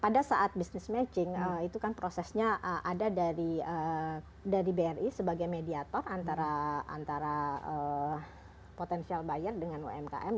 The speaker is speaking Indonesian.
pada saat business matching itu kan prosesnya ada dari bri sebagai mediator antara potential buyer dengan umkm